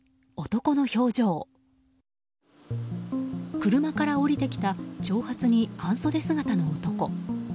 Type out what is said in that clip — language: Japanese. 車から降りてきた長髪に半袖姿の男。